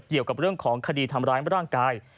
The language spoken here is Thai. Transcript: เกี่ยวกับเรื่องของคดีทำร้ายร่างกาย